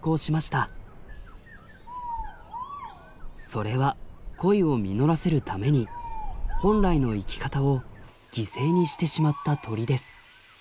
それは恋を実らせるために本来の生き方を犠牲にしてしまった鳥です。